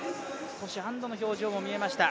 少し安どの表情も見えました。